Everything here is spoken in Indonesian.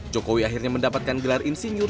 jokowi akhirnya mendapatkan gelar insinyur